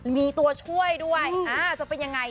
มีตัวช่วยด้วยจะเป็นยังไง